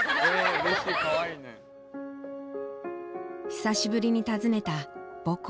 久しぶりに訪ねた母校。